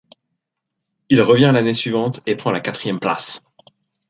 Il revient l'année suivante et prend la quatrième place.